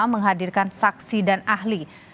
menghadirkan saksi dan ahli